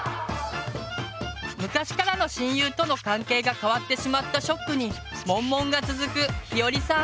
昔からの親友との関係が変わってしまったショックにモンモンが続くひよりさん。